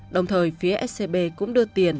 đồng thời phía scb cũng đưa tiền